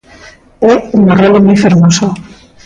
É un arrolo moi fermoso.